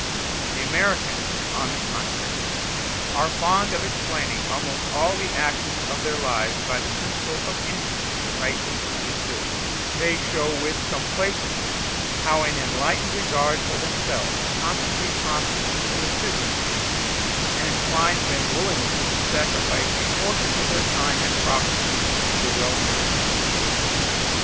The Americans, on the contrary, are fond of explaining almost all the actions of their lives by the principle of interest rightly understood; they show with complacency how an enlightened regard for themselves constantly prompts them to assist each other, and inclines them willingly to sacrifice a portion of their time and property to the welfare of the State.